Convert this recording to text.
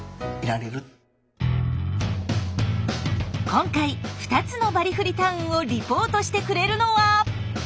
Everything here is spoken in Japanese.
今回２つのバリフリ・タウンをリポートしてくれるのは。